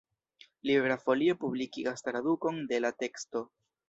Libera Folio publikigas tradukon de la teksto.